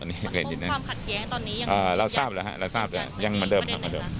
วันนี้เกมจริงนะครับเราทราบแล้วครับยังมาเดิมครับครับ